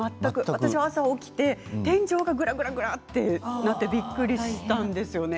私は朝起きて天井がグラグラグラッてなってびっくりしたんですよね。